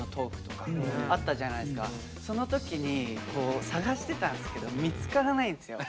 その時に探してたんですけど見つからないんですよ。